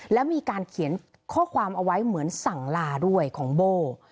แล้วมีการเขียนข้อความเอาไว้เหมือนสั่งลาด้วยของโบ้